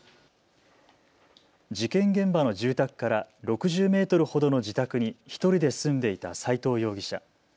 事件現場の住宅から６０メートルほどの自宅に１人で住んでいた斎藤容疑者。